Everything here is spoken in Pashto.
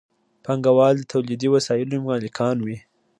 پانګوال د تولیدي وسایلو مالکان وي.